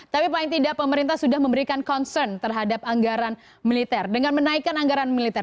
tapi paling tidak pemerintah sudah memberikan concern terhadap anggaran militer dengan menaikkan anggaran militer